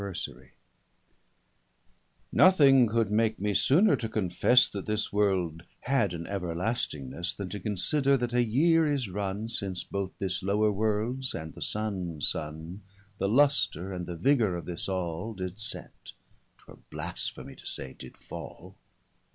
_] Nothing could make me sooner to confesse That this world had an everlastingnesse, Then to consider, that a yeare is runne, Since both this lower world's, and the Sunnes Sunne, The Lustre, and the vigor of this All, 5 Did set; 'twere blasphemie to say, did fall.